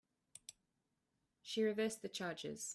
She reversed the charges.